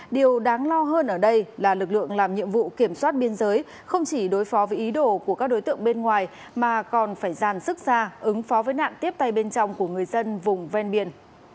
điều đáng lo hơn ở đây là lực lượng làm nhiệm vụ kiểm soát biên giới không chỉ đối phó với ý đồ của các đối tượng bên ngoài mà còn phải dàn sức ra ứng phó với nạn tiếp tay bên trong của người dân vùng ven biển